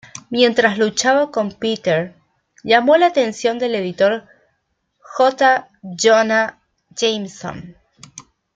Mientras luchaba con Peter, llamó la atención del editor J. Jonah Jameson.